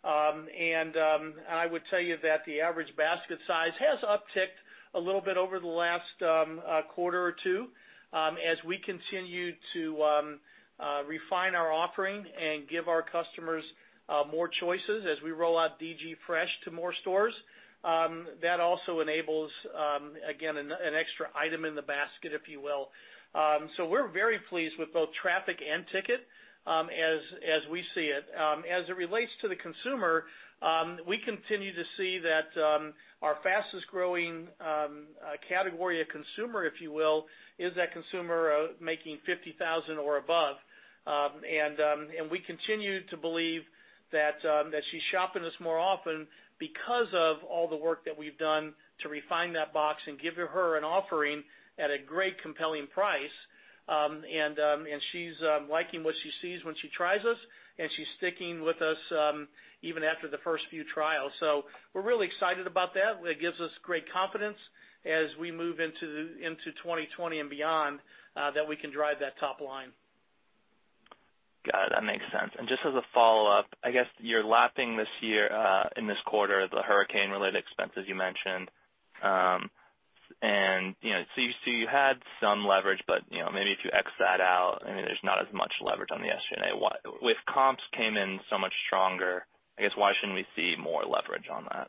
I would tell you that the average basket size has upticked a little bit over the last quarter or two as we continue to refine our offering and give our customers more choices as we roll out DG Fresh to more stores. That also enables, again, an extra item in the basket, if you will. We're very pleased with both traffic and ticket as we see it. As it relates to the consumer, we continue to see that our fastest-growing category of consumer, if you will, is that consumer making 50,000 or above. We continue to believe that she's shopping us more often because of all the work that we've done to refine that box and give her an offering at a great compelling price. She's liking what she sees when she tries us, and she's sticking with us even after the first few trials. We're really excited about that. It gives us great confidence as we move into 2020 and beyond that we can drive that top line. Got it. That makes sense. Just as a follow-up, I guess you're lapping this year in this quarter, the hurricane-related expenses you mentioned. You had some leverage, but maybe if you x that out, maybe there's not as much leverage on the SG&A. With comps came in so much stronger, I guess why shouldn't we see more leverage on that?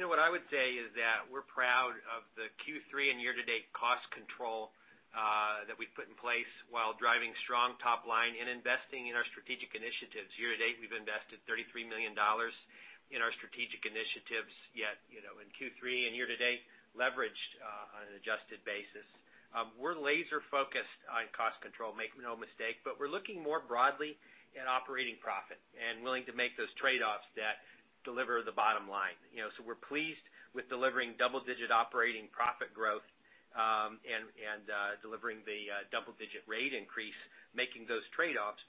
What I would say is that we're proud of the Q3 and year-to-date cost control that we've put in place while driving strong top line and investing in our Strategic Initiatives. Year-to-date, we've invested $33 million in our Strategic Initiatives, yet in Q3 and year-to-date, leveraged on an adjusted basis. We're laser focused on cost control, make no mistake, but we're looking more broadly at operating profit and willing to make those trade-offs that deliver the bottom line. We're pleased with delivering double-digit operating profit growth and delivering the double-digit rate increase, making those trade-offs.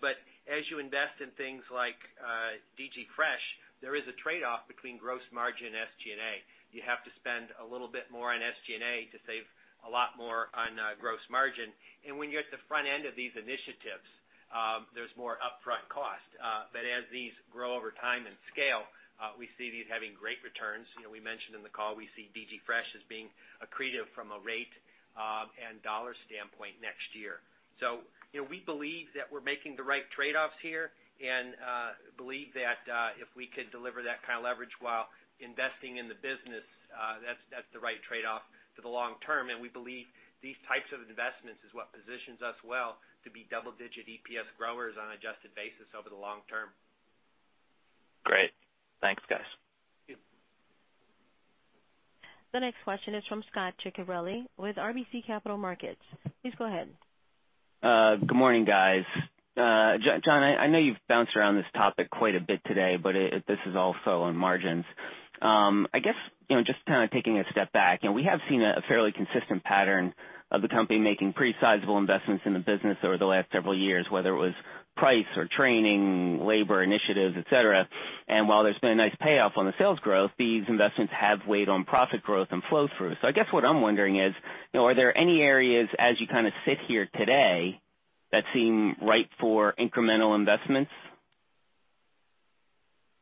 As you invest in things like DG Fresh, there is a trade-off between gross margin and SG&A. You have to spend a little bit more on SG&A to save a lot more on gross margin. When you're at the front end of these Strategic Initiatives, there's more upfront cost. As these grow over time and scale, we see these having great returns. We mentioned in the call, we see DG Fresh as being accretive from a rate and dollar standpoint next year. We believe that we're making the right trade-offs here and believe that if we could deliver that kind of leverage while investing in the business, that's the right trade-off for the long term. We believe these types of investments is what positions us well to be double-digit EPS growers on an adjusted basis over the long term. Great. Thanks, guys. Thank you. The next question is from Scot Ciccarelli with RBC Capital Markets. Please go ahead. Good morning, guys. John, I know you've bounced around this topic quite a bit today, this is also on margins. I guess, just taking a step back, we have seen a fairly consistent pattern of the company making pretty sizable investments in the business over the last several years, whether it was price or training, labor initiatives, et cetera. While there's been a nice payoff on the sales growth, these investments have weighed on profit growth and flow through. I guess what I'm wondering is, are there any areas as you sit here today that seem ripe for incremental investments?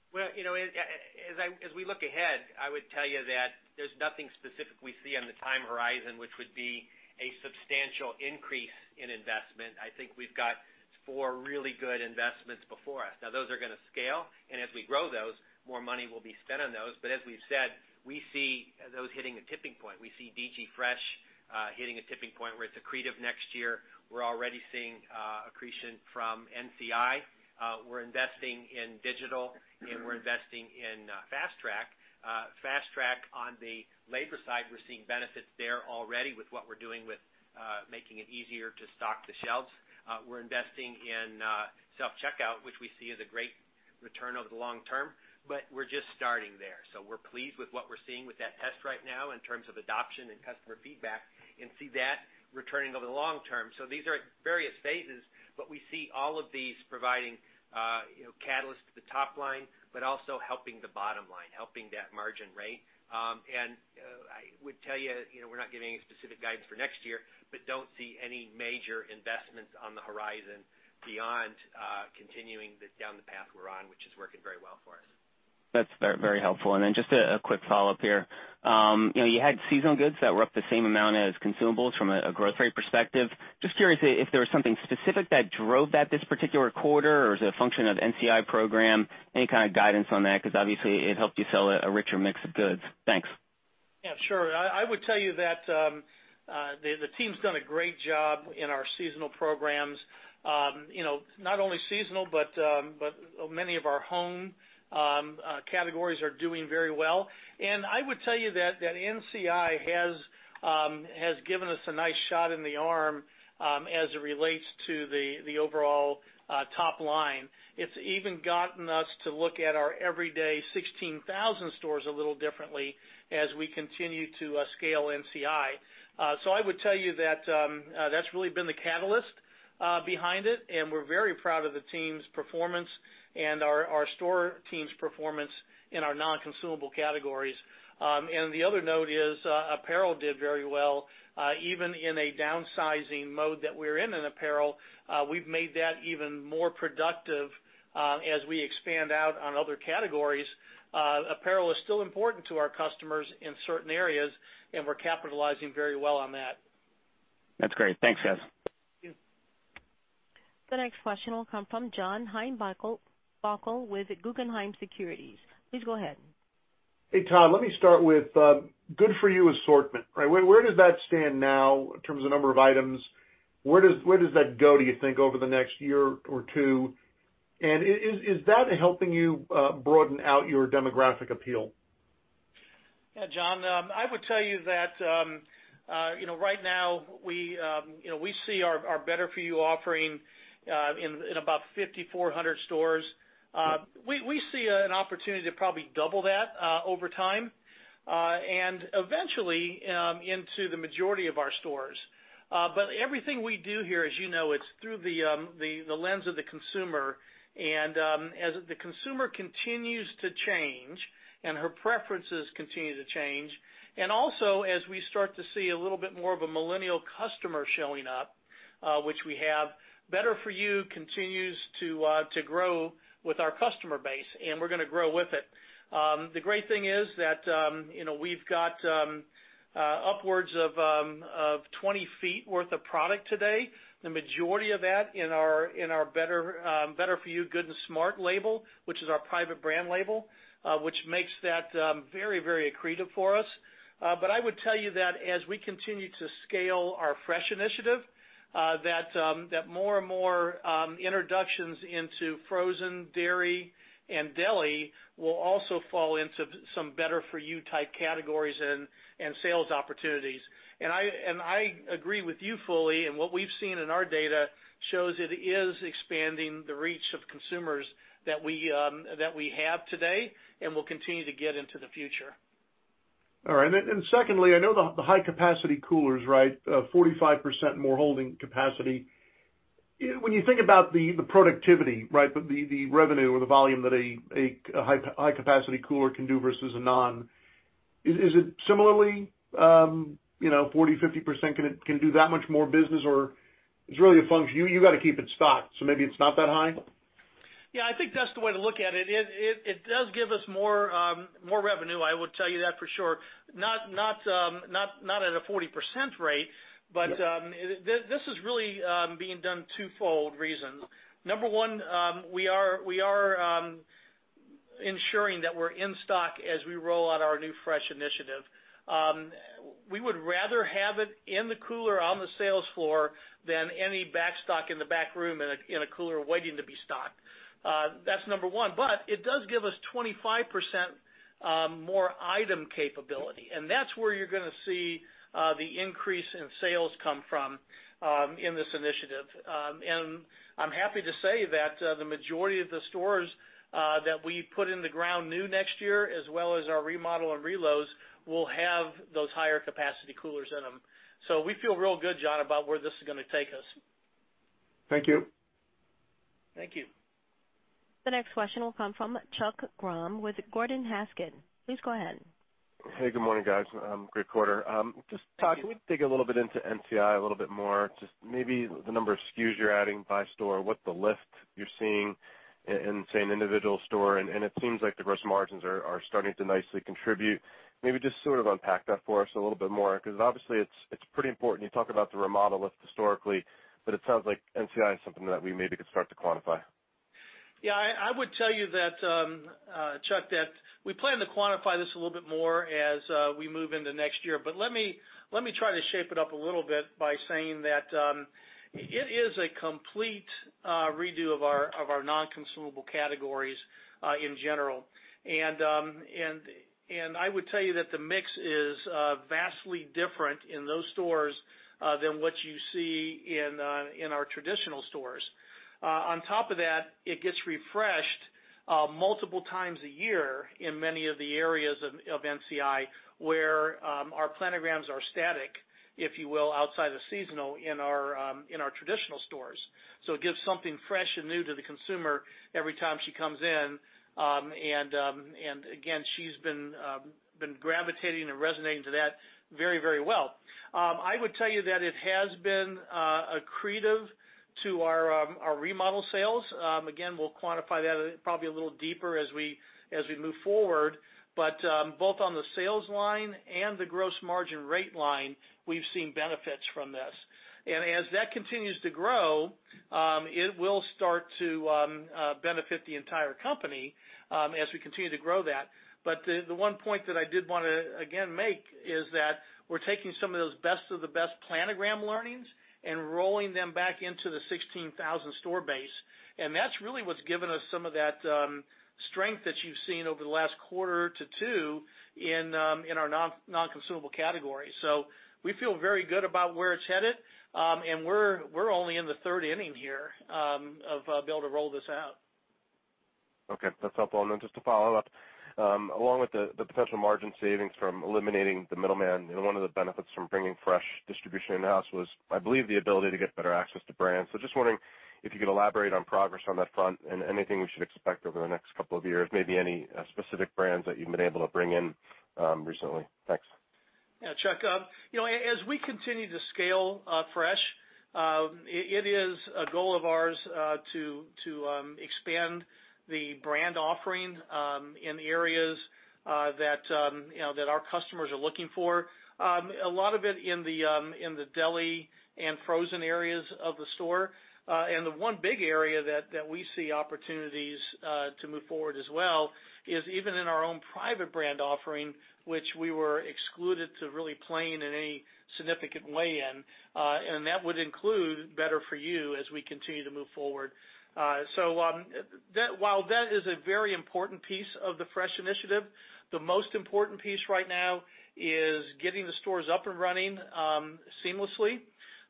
Well, as we look ahead, I would tell you that there's nothing specific we see on the time horizon, which would be a substantial increase in investment. I think we've got four really good investments before us. Those are going to scale, and as we grow those, more money will be spent on those. As we've said, we see those hitting a tipping point. We see DG Fresh hitting a tipping point where it's accretive next year. We're already seeing accretion from NCI. We're investing in digital, and we're investing in Fast Track. Fast Track on the labor side, we're seeing benefits there already with what we're doing with making it easier to stock the shelves. We're investing in self-checkout, which we see as a great return over the long term, but we're just starting there. We're pleased with what we're seeing with that test right now in terms of adoption and customer feedback and see that returning over the long term. These are at various phases, but we see all of these providing catalyst to the top line, but also helping the bottom line, helping that margin rate. I would tell you, we're not giving any specific guidance for next year, but don't see any major investments on the horizon beyond continuing this down the path we're on, which is working very well for us. That's very helpful. Then just a quick follow-up here. You had seasonal goods that were up the same amount as consumables from a growth rate perspective. Just curious if there was something specific that drove that this particular quarter, or is it a function of NCI program? Any kind of guidance on that? Because obviously it helped you sell a richer mix of goods. Thanks. Yeah, sure. I would tell you that the team's done a great job in our seasonal programs. Not only seasonal, but many of our home categories are doing very well. I would tell you that NCI has given us a nice shot in the arm as it relates to the overall top line. It's even gotten us to look at our everyday 16,000 stores a little differently as we continue to scale NCI. I would tell you that's really been the catalyst behind it, and we're very proud of the team's performance and our store team's performance in our non-consumable categories. The other note is apparel did very well. Even in a downsizing mode that we're in apparel, we've made that even more productive as we expand out on other categories. Apparel is still important to our customers in certain areas, and we're capitalizing very well on that. That's great. Thanks, guys. Thank you. The next question will come from John Heinbockel with Guggenheim Securities. Please go ahead. Hey, Todd, let me start with Better For You assortment. Where does that stand now in terms of number of items? Where does that go, do you think, over the next year or two? Is that helping you broaden out your demographic appeal? John, I would tell you that right now we see our Better For You offering in about 5,400 stores. We see an opportunity to probably double that over time, and eventually, into the majority of our stores. Everything we do here, as you know, it's through the lens of the consumer and as the consumer continues to change, and her preferences continue to change, and also as we start to see a little bit more of a millennial customer showing up, which we have, Better For You continues to grow with our customer base, and we're going to grow with it. The great thing is that we've got upwards of 20 feet worth of product today. The majority of that in our Better For You Good & Smart label, which is our private brand label, which makes that very accretive for us. I would tell you that as we continue to scale our Fresh Onitiative, that more and more introductions into frozen, dairy, and deli will also fall into some Better For You type categories and sales opportunities. I agree with you fully, and what we've seen in our data shows it is expanding the reach of consumers that we have today and will continue to get into the future. All right. Secondly, I know the high capacity coolers, 45% more holding capacity. When you think about the productivity, the revenue or the volume that a high capacity cooler can do versus a non, is it similarly 40%, 50% can do that much more business? It's really a function, you got to keep it stocked, so maybe it's not that high? Yeah, I think that's the way to look at it. It does give us more revenue, I will tell you that for sure. Not at a 40% rate, but this is really being done twofold reasons. Number one, we are ensuring that we're in stock as we roll out our new Fresh initiative. We would rather have it in the cooler on the sales floor than any back stock in the back room in a cooler waiting to be stocked. That's number one, but it does give us 25% more item capability, and that's where you're going to see the increase in sales come from in this initiative. And I'm happy to say that the majority of the stores that we put in the ground new next year, as well as our remodel and reloads, will have those higher capacity coolers in them. We feel real good, John, about where this is going to take us. Thank you. Thank you. The next question will come from Chuck Grom with Gordon Haskett. Please go ahead. Hey, good morning, guys. Great quarter. Just Todd, can we dig a little bit into NCI a little bit more? Just maybe the number of SKUs you're adding by store, what the lift you're seeing in, say, an individual store. It seems like the gross margins are starting to nicely contribute. Maybe just sort of unpack that for us a little bit more, because obviously it's pretty important. You talk about the remodel lift historically, but it sounds like NCI is something that we maybe could start to quantify. I would tell you, Chuck, that we plan to quantify this a little bit more as we move into next year. Let me try to shape it up a little bit by saying that it is a complete redo of our non-consumable categories in general. I would tell you that the mix is vastly different in those stores than what you see in our traditional stores. On top of that, it gets refreshed multiple times a year in many of the areas of NCI, where our planograms are static, if you will, outside of seasonal in our traditional stores. It gives something fresh and new to the consumer every time she comes in. Again, she's been gravitating and resonating to that very well. I would tell you that it has been accretive to our remodel sales. We'll quantify that probably a little deeper as we move forward. Both on the sales line and the gross margin rate line, we've seen benefits from this. As that continues to grow, it will start to benefit the entire company as we continue to grow that. The one point that I did want to, again, make is that we're taking some of those best-of-the-best planogram learnings and rolling them back into the 16,000 store base. That's really what's given us some of that strength that you've seen over the last quarter to two in our non-consumable category. We feel very good about where it's headed. We're only in the third inning here of being able to roll this out. Okay, that's helpful. Just to follow up. Along with the potential margin savings from eliminating the middleman and one of the benefits from bringing fresh distribution in-house was, I believe, the ability to get better access to brands. Just wondering if you could elaborate on progress on that front and anything we should expect over the next couple of years, maybe any specific brands that you've been able to bring in recently. Thanks. Yeah, Chuck. As we continue to scale fresh, it is a goal of ours to expand the brand offering in areas that our customers are looking for. A lot of it in the deli and frozen areas of the store. The one big area that we see opportunities to move forward as well is even in our own private brand offering, which we were excluded to really playing in any significant way in. That would include Better For You as we continue to move forward. While that is a very important piece of the Fresh Initiative, the most important piece right now is getting the stores up and running seamlessly,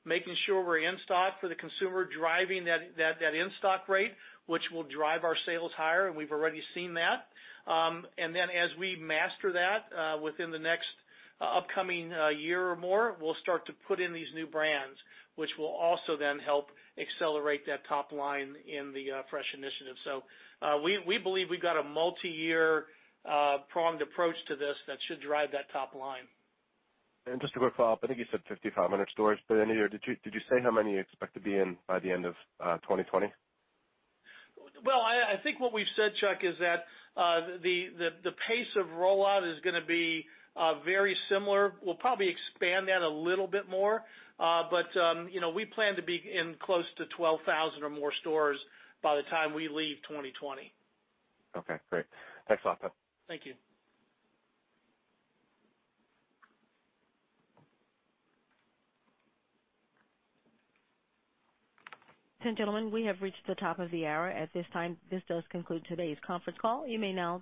making sure we're in stock for the consumer, driving that in-stock rate, which will drive our sales higher, and we've already seen that. Then as we master that within the next upcoming year or more, we'll start to put in these new brands, which will also then help accelerate that top line in the Fresh Initiative. We believe we've got a multiyear pronged approach to this that should drive that top line. Just a quick follow-up. I think you said 5,500 stores by the end of the year. Did you say how many you expect to be in by the end of 2020? Well, I think what we've said, Chuck, is that the pace of rollout is going to be very similar. We'll probably expand that a little bit more. We plan to be in close to 12,000 or more stores by the time we leave 2020. Okay, great. Thanks a lot, Todd. Thank you. Gentlemen, we have reached the top of the hour. At this time, this does conclude today's conference call. You may now.